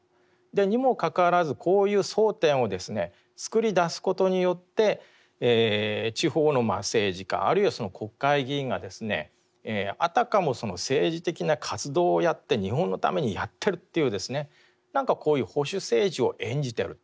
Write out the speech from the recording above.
にもかかわらずこういう争点をですね作りだすことによって地方の政治家あるいは国会議員があたかもその政治的な活動をやって日本のためにやってるっていう何かこういう保守政治を演じてると。